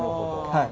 はい。